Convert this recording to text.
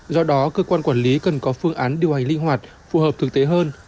do đó cơ quan quản lý cần có phương án điều hành linh hoạt phù hợp thực tế hơn